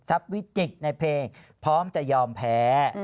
วิจิกในเพลงพร้อมจะยอมแพ้